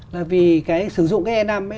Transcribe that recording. là vì cái sử dụng cái e năm ấy